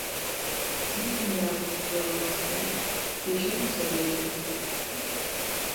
Niçin geldiniz Nurullah Bey, bir şey mi söyleyecektiniz?